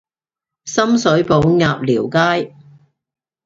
深水埗鴨寮街